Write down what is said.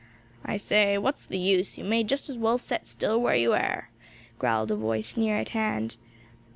"I say what's the use? you may just as well set still where you hare," growled a voice near at hand.